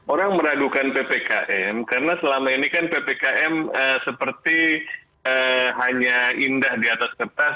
orang meragukan ppkm karena selama ini kan ppkm seperti hanya indah di atas kertas